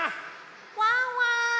ワンワン